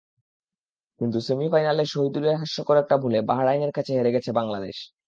কিন্তু সেমিফাইনালে শহীদুলের হাস্যকর একটা ভুলে বাহরাইনের কাছে হেরে গেছে বাংলাদেশ।